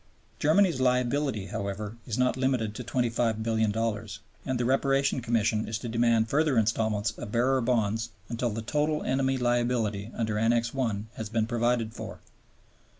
Germany's liability, however, is not limited to $25,000,000,000, and the Reparation Commission is to demand further instalments of bearer bonds until the total enemy liability under Annex I. has been provided for.